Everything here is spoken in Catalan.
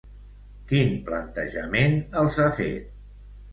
Quin plantejament els ha fet?